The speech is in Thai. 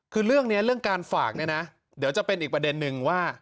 คือเรื่องนี้เรื่องการฝากเนี่ยนะเดี๋ยวจะเป็นอีกประเด็นนึงว่า